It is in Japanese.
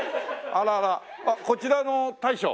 あららこちらの大将？